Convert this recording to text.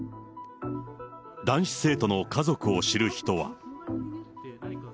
男子生徒の家族を知る人は。